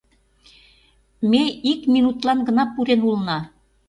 Ме ик минутлан гына пурен улына.